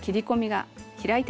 はい。